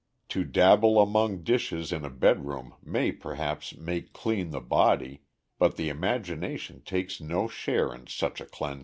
To dabble among dishes in a bedroom may perhaps make clean the body; but the imagination takes no share in such a cleansing."